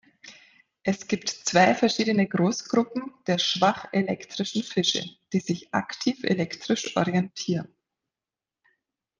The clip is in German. Es gibt zwei verschiedene Großgruppen der schwach elektrischen Fische, die sich aktiv elektrisch orientieren.